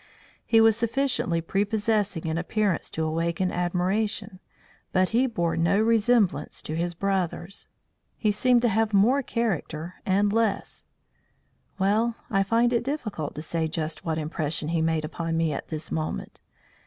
He was sufficiently prepossessing in appearance to awaken admiration, but he bore no resemblance to his brothers. He seemed to have more character and less well, I find it difficult to say just what impression he made upon me at this moment.